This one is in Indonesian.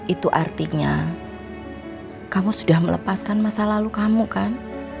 itu artinya kamu sudah melepaskan masa lalu kamu kan